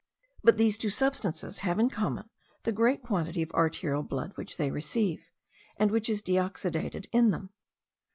But these two substances have in common the great quantity of arterial blood which they receive, and which is deoxidated in them.